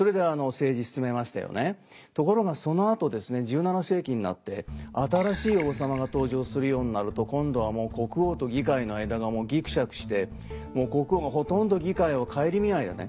ところがそのあとですね１７世紀になって新しい王様が登場するようになると今度はもう国王と議会の間がギクシャクしてもう国王がほとんど議会を顧みないでね